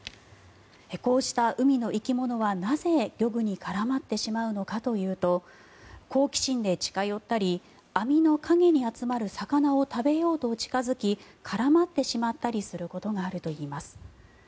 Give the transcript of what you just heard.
こうした海の生き物はなぜ、漁具に絡まってしまうのかというと好奇心で近寄ったり網の陰に集まる魚を食べようと近付き絡まってしまったりすることがあるといいます。